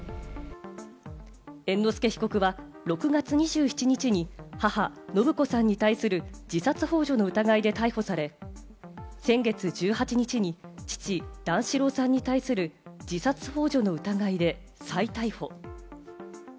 猿之助被告は６月２７日に母・延子さんに対する自殺ほう助の疑いで逮捕され、先月１８日に父・段四郎さんに対する自殺ほう助の疑いで再逮捕。